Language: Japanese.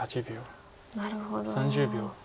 なるほど。